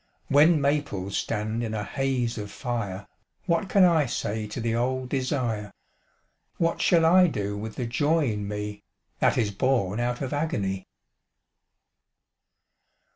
When maples stand in a haze of fire What can I say to the old desire, What shall I do with the joy in me That is born out of agony?